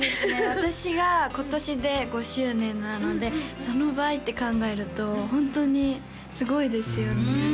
私が今年で５周年なのでその倍って考えるとホントにすごいですよね